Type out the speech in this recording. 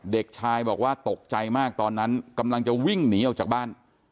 เด็กชายบอกว่าตกใจมากตอนนั้นกำลังจะวิ่งหนีออกจากบ้าน